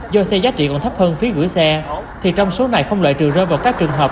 do xe giá trị còn thấp hơn phí gửi xe thì trong số này không loại trừ rơi vào các trường hợp